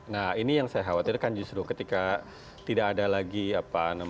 nah ini yang saya khawatirkan justru ketika tidak ada lagi apa namanya